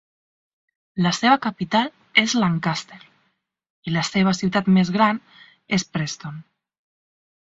La seva capital és Lancaster, i la seva ciutat més gran és Preston.